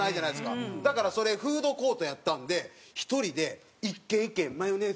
だからそれフードコートやったんで１人で１軒１軒「マヨネーズ」。